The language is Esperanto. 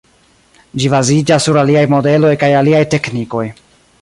Ĝi baziĝas sur aliaj modeloj kaj aliaj teknikoj.